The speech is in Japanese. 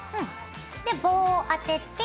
で棒を当てて。